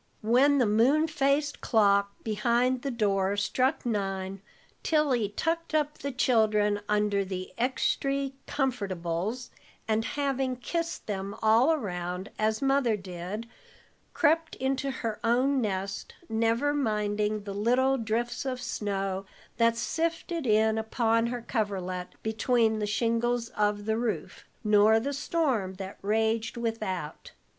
When the moon faced clock behind the door struck nine, Tilly tucked up the children under the "extry comfortables," and having kissed them all around, as Mother did, crept into her own nest, never minding the little drifts of snow that sifted in upon her coverlet between the shingles of the roof, nor the storm that raged without.